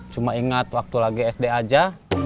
cuma ingat waktu lagi sd aja